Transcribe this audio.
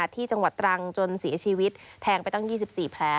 ที่จังหวัดตรังจนเสียชีวิตแทงไปตั้ง๒๔แผล